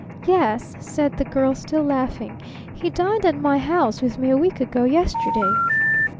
"Yes," said the Girl, still laughing. "He dined at my house with me a week ago yesterday."